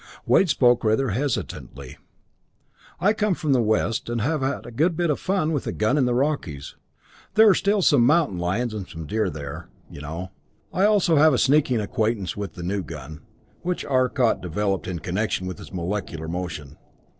Wade spoke rather hesitantly. "I come from the west, and have had a good bit of fun with a gun in the Rockies; there are still some mountain lions and some deer there, you know. I also have a sneaking acquaintance with the new gun, which Arcot developed in connection with his molecular motion.